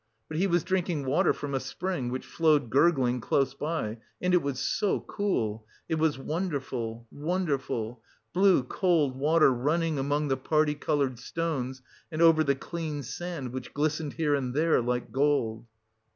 But he was drinking water from a spring which flowed gurgling close by. And it was so cool, it was wonderful, wonderful, blue, cold water running among the parti coloured stones and over the clean sand which glistened here and there like gold....